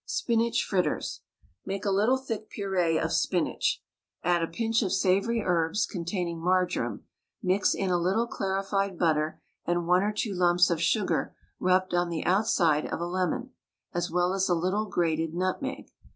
SPINACH FRITTERS. Make a little thick puree of spinach, add a pinch of savoury herbs containing marjoram; mix in a little clarified butter and one or two lumps of sugar rubbed on the outside of a lemon, as well as a little grated nutmeg.